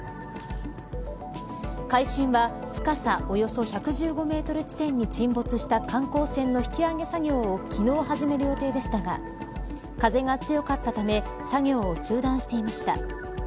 海進は、深さおよそ１１５メートル地点に沈没した観光船の引き揚げ作業を昨日始める予定でしたが風が強かったため作業を中断していました。